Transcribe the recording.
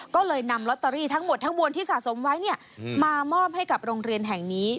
ก็เลยนำลอตเตอรี่ทั้งหมดทั้งมวลที่สะสมไว้มามอบให้กับโรงเรียนแห่งนี้